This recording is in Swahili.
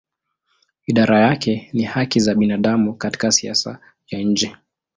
Idara yake ni haki za binadamu katika siasa ya nje.